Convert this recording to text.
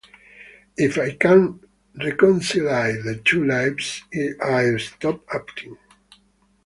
If I can't reconcile the two lives, I'll stop acting.